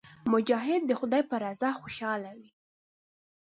مجاهد د خدای په رضا خوشاله وي.